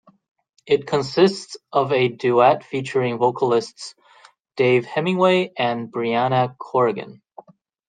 It consists of a duet featuring vocalists Dave Hemingway and Briana Corrigan.